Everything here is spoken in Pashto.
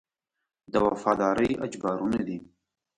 د وفادارۍ اجبارونه دي.